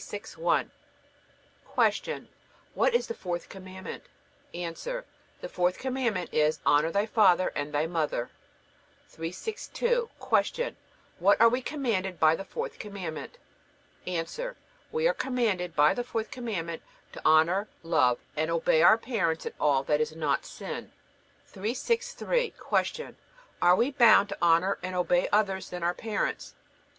Q. What is the fourth Commandment? A. The fourth Commandment is: Honor thy father and thy mother. 362. Q. What are we commanded by the fourth Commandment? A. We are commanded by the fourth Commandment to honor, love, and obey our parents in all that is not sin. 363. Q. Are we bound to honor and obey others than our parents?